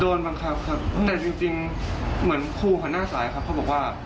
โดนบังคับครับแต่จริงเหมือนคู่ของหน้าสายเขาก็บอกว่า